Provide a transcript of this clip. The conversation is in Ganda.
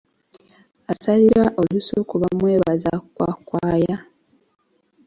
Asalira olusuku bamwebaza kwakwaya.